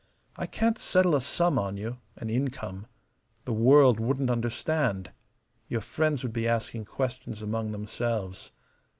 I can't settle a sum on you an income. The world wouldn't understand. Your friends would be asking questions among themselves.